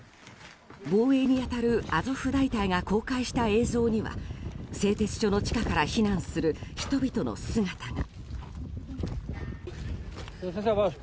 防衛に当たるアゾフ大隊が公開した映像には製鉄所の地下から避難する人々の姿が。